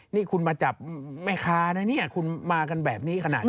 นี่คุณมาจับแม่ค้านะเนี่ยคุณมากันแบบนี้ขนาดนี้